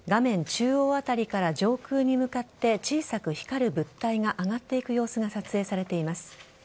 中央あたりから上空に向かって小さく光る物体が上がっていく様子が撮影されています。